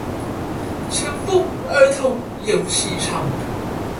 前峰兒童遊戲場